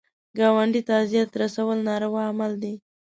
ګاونډي ته اذیت رسول ناروا عمل دی